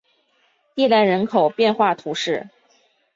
蒂兰人口变化图示